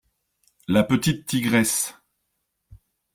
La petite tigresse.